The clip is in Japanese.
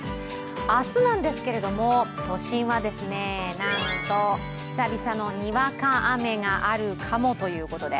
明日なんですけれども都心はなんと、久々のにわか雨があるかもということで。